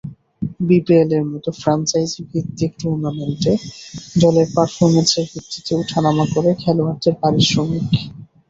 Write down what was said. বিপিএলের মতো ফ্র্যাঞ্চাইজিভিত্তিক টুর্নামেন্টে দলের পারফরম্যান্সের ভিত্তিতে ওঠা নামা করে খেলোয়াড়দের পারিশ্রমিক।